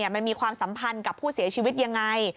มันมีความสัมพันธ์กับผู้เสียชีวิตยังไง